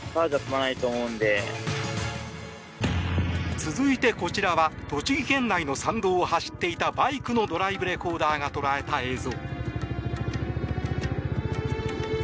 続いてこちらは栃木県内の山道を走っていたバイクのドライブレコーダーが捉えた映像。